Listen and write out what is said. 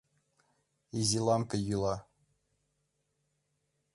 Изи лампе йӱла.